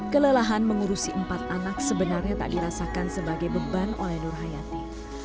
kelelahan mengurusi empat anak sebenarnya tak dirasakan sebagai beban oleh nur hayati